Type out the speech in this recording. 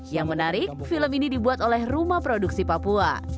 yang menarik film ini dibuat oleh rumah produksi papua